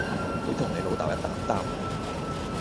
你同你老豆一擔擔